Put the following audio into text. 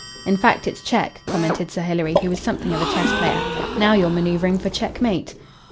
"In fact it's check," commented Sir Hilary, who was something of a chess player. "Now you're manœuvring for checkmate."